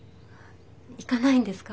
行かないんですか？